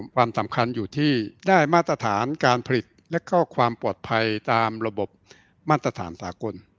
ความสำคัญอยู่ที่ได้มาตรฐานการผลิตและก็ความปลอดภัยตามระบบมาตรฐานสากล